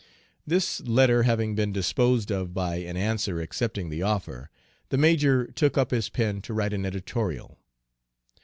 This letter having been disposed of by an answer accepting the offer, the major took up his pen to write an editorial.